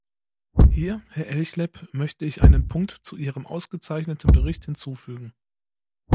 Hier, Herr Elchlepp, möchte ich einen Punkt zu Ihrem ausgezeichneten Bericht hinzufügen.